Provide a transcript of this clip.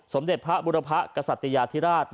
สมเด็จพระบุรพะกษัตยาธิราช